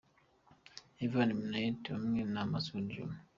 Ivan Minnaert hamwe na Masudi juma